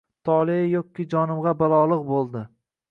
«Tole yo’qi jonima balolig’ bo’ldi